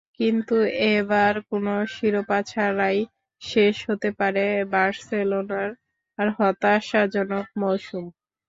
কিন্তু এবার কোনো শিরোপা ছাড়াই শেষ হতে পারে বার্সেলোনার হতাশাজনক মৌসুম।